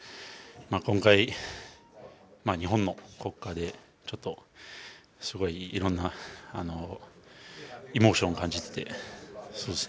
今回、日本の国歌聞いてちょっと、すごいいろんなエモーションを感じてて。